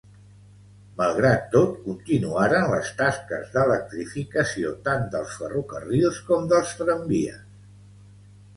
Malgrat tot, continuaren les tasques d'electrificació, tant dels ferrocarrils com dels tramvies.